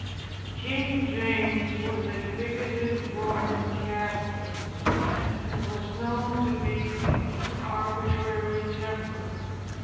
King James was a bigoted Roman Catholic, and was known to be of an arbitrary temper.